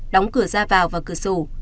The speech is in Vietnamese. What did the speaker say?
đóng cửa ra vào và cửa sổ